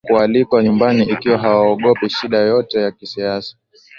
kualikwa nyumbani ikiwa hawaogopi shida yoyote ya kisiasa